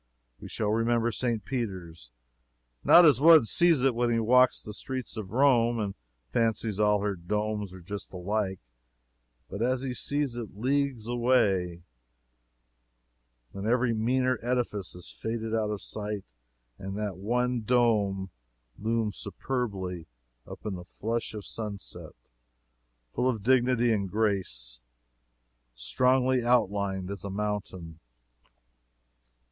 We shall remember St. Peter's: not as one sees it when he walks the streets of Rome and fancies all her domes are just alike, but as he sees it leagues away, when every meaner edifice has faded out of sight and that one dome looms superbly up in the flush of sunset, full of dignity and grace, strongly outlined as a mountain.